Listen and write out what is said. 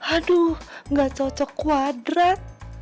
aduh gak cocok kuadrat